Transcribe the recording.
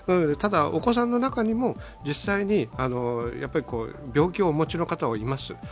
お子さんの中にも実際に病気をお持ちの方はいます。